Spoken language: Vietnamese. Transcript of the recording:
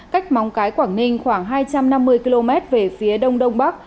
cách móng cái quảng ninh khoảng hai trăm năm mươi km về phía đông đông bắc